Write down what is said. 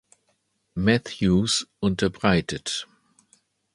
Matthews unterbreitet.